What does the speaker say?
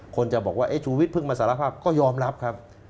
คนจะบอกว่าชูวิทยเพิ่งมาสารภาพก็ยอมรับครับ